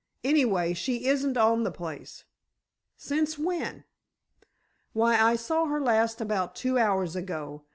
Anyway, she isn't on the place." "Since when?" "Why, I saw her last about two hours ago.